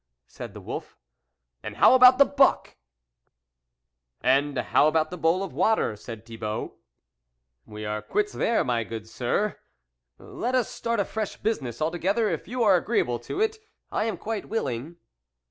" said the wolf, " and how about the buck ?"" And how about the bowl of water ?" said Thibault. " We are quits there, my good sir. Let us start a fresh business altogether; if you are agreeable to it, I am quite willing."